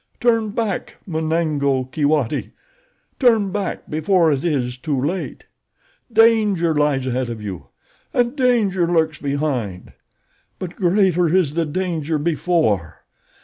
Turn back, Munango Keewati! Turn back before it is too late. Danger lies ahead of you and danger lurks behind; but greater is the danger before.